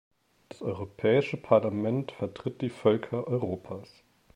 Das Europäische Parlament vertritt die Völker Europas.